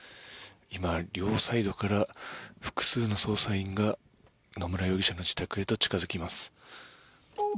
今、両サイドから複数の捜査員が野村容疑者の自宅へと近付きます。